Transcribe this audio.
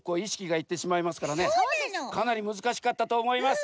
かなりむずかしかったとおもいます。